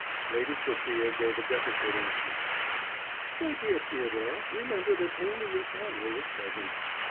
Lady Sophia gave a deprecating smile: "My dear Theodore, remember that only your family is present."